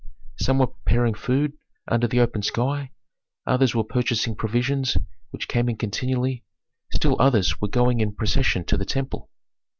Some were preparing food under the open sky, others were purchasing provisions which came in continually, still others were going in procession to the temple.